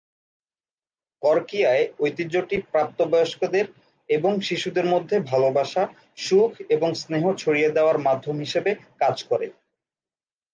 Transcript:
ক্বরক্বিয়ায় ঐতিহ্যটি প্রাপ্তবয়স্কদের এবং শিশুদের মধ্যে ভালবাসা, সুখ এবং স্নেহ ছড়িয়ে দেওয়ার মাধ্যম হিসেবে কাজ করে।